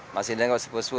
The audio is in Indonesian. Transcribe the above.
masih dianggap sepuh sepuh